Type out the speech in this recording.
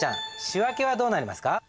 仕訳はどうなりますか？